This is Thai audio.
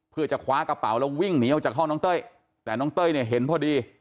เพื่อจะคว้ากระเป๋าแล้ววิ่งหนีออกจากห้องน้องเต้ยแต่น้องเต้ยเนี่ยเห็นพอดี